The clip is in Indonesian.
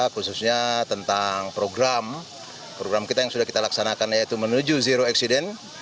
khususnya tentang program program kita yang sudah kita laksanakan yaitu menuju zero accident